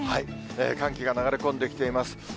寒気が流れ込んできています。